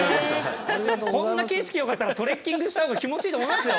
こんな景色よかったらトレッキングした方が気持ちいいと思いますよ